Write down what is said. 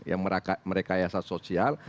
yang merekayasa sosial